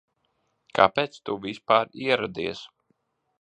Kāpēc tu vispār ieradies?